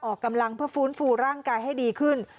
ออกกำลังเพื่อฟื้นฟูร่างกายให้ดีขึ้น